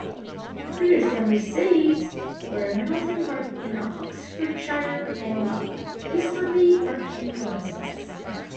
Previous family seats were Middleton Park in Oxfordshire and Osterley Park in Middlesex.